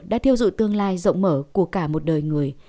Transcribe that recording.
đã thiêu dụi tương lai rộng mở của cả một đời người